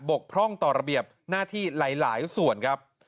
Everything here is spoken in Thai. กพร่องต่อระเบียบหน้าที่หลายส่วนครับ